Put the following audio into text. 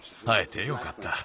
あえてよかった。